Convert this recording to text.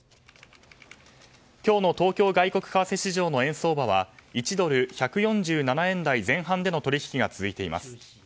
今日の東京外国為替市場の円相場は１ドル＝１４７円台前半での取引が続いています。